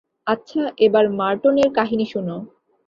আচ্ছা, এবার মার্টনের কাহিনী শোনো।